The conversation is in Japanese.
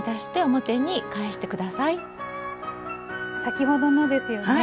先ほどのですよね。